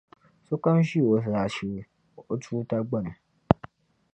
sokam ʒe o zaashee o tuuta gbini.